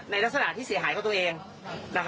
ลักษณะที่เสียหายกับตัวเอง